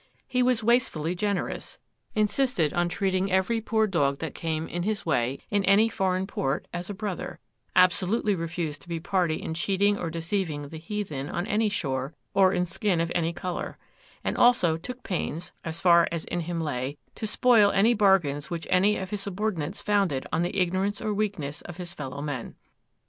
He was wastefully generous,—insisted on treating every poor dog that came in his way, in any foreign port, as a brother,—absolutely refused to be party in cheating or deceiving the heathen on any shore, or in skin of any colour,—and also took pains, as far as in him lay, to spoil any bargains which any of his subordinates founded on the ignorance or weakness of his fellow men.